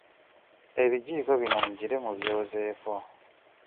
Ebijiiko bino mugire mubyozeeko.